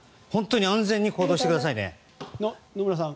本当に安全に行動してください。